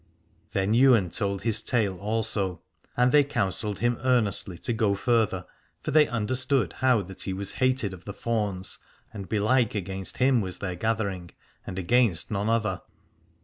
Then Ywain told his tale also, and they counselled him earnestly to go further, for they understood how that he was hated of the fauns, and belike against him was their gathering, and against none other.